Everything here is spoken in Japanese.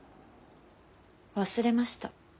忘れました。